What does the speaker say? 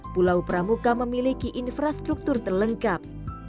pulau pramuka memiliki infrastruktur terlengkap